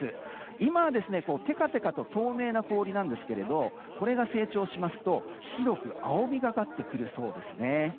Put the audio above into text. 今はてかてかと透明な氷なんですがこれが成長しますと白く青みがかってくるそうです。